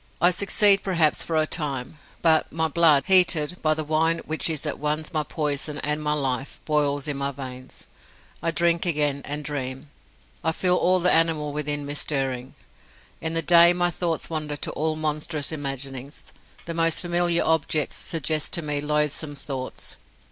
I succeed perhaps for a time; but my blood, heated by the wine which is at once my poison and my life, boils in my veins. I drink again, and dream. I feel all the animal within me stirring. In the day my thoughts wander to all monstrous imaginings. The most familiar objects suggest to me loathsome thoughts.